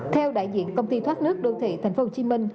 theo đại diện công ty thoát nước đô thị tp hcm